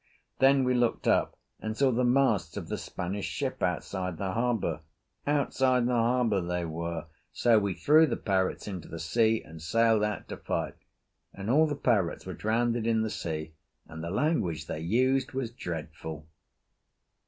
Then we looked up and saw the masts of the Spanish ship outside the harbour. Outside the harbour they were, so we threw the parrots into the sea and sailed out to fight. And all the parrots were drownded in the sea and the language they used was dreadful."